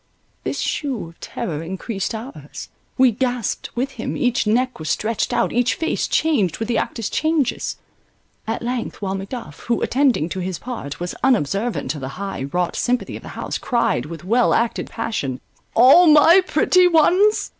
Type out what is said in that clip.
This shew of terror encreased ours, we gasped with him, each neck was stretched out, each face changed with the actor's changes— at length while Macduff, who, attending to his part, was unobservant of the high wrought sympathy of the house, cried with well acted passion: All my pretty ones?